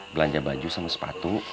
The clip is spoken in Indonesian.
belanja baju sama sepatu